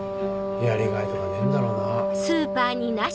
やりがいとかねえんだろうな。